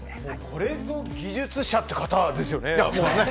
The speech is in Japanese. これぞ技術者という方ですよね。